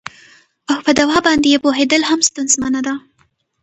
او په دوا باندې یې پوهیدل هم ستونزمنه ده